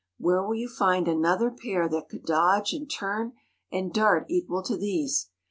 Where will you find another pair that could dodge and turn and dart equal to these?